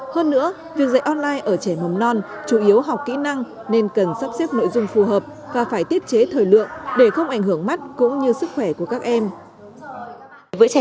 hơn nữa việc dạy online ở trẻ mầm non chủ yếu học kỹ năng nên cần sắp xếp nội dung phù hợp và phải tiết chế thời lượng để không ảnh hưởng mắt cũng như sức khỏe của các em